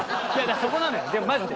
そこなのよマジで。